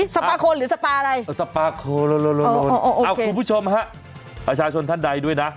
สปาโคนหรือสปาอะไรสปาโคนคุณผู้ชมฮะประชาชนท่านใดด้วยนะ